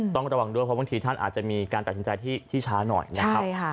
ต้องระวังด้วยเพราะบางทีท่านอาจจะมีการตัดสินใจที่ช้าหน่อยนะครับ